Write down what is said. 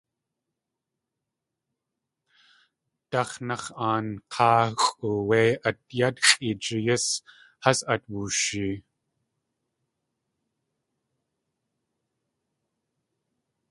Dáx̲náx̲ aank̲áaxʼu wé atyátxʼi jeeyís has at wooshee.